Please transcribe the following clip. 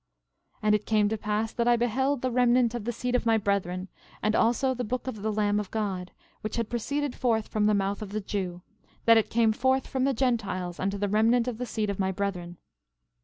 13:38 And it came to pass that I beheld the remnant of the seed of my brethren, and also the book of the Lamb of God, which had proceeded forth from the mouth of the Jew, that it came forth from the Gentiles unto the remnant of the seed of my brethren.